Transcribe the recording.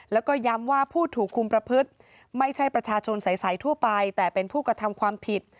แล้วก็ย้ำว่าผู้ถูกคุมประพฤติไม่ใช่ประชาชนใสทั่วไปแต่เป็นผู้กระทำความผิด